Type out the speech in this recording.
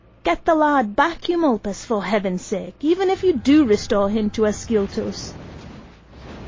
Get the lad back, Eumolpus, for heaven's sake, even if you do restore him to Ascyltos!"